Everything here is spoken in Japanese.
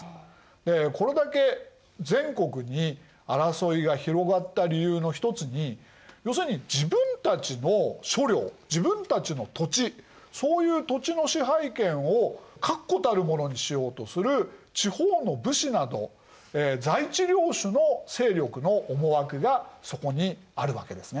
でこれだけ全国に争いが広がった理由のひとつに要するに自分たちの所領自分たちの土地そういう土地の支配権を確固たるものにしようとする地方の武士など在地領主の勢力の思惑がそこにあるわけですね。